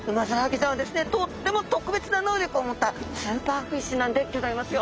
とってもとくべつなのうりょくをもったスーパーフィッシュなんでギョざいますよ。